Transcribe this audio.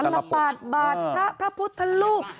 ตลาดบาดพระพุทธลูก